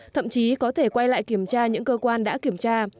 thậm chí có thể quay lại kiểm tra những cơ quan đã kiểm tra